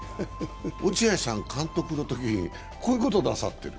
落合さん、監督のときにこういうことなさってる。